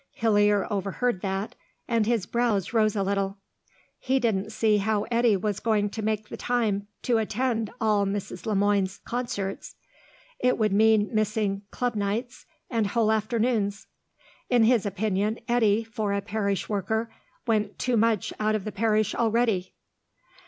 Hillier overheard that, and his brows rose a little. He didn't see how Eddy was going to make the time to attend all Mrs. Le Moine's concerts; it would mean missing club nights, and whole afternoons. In his opinion, Eddy, for a parish worker, went too much out of the parish already.